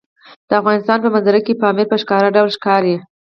د افغانستان په منظره کې پامیر په ښکاره ډول ښکاري.